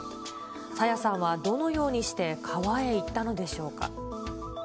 朝芽さんはどのようにして川へ行ったのでしょうか。